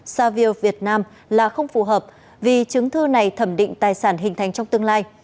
savio việt nam là không phù hợp vì chứng thư này thẩm định tài sản hình thành trong tương lai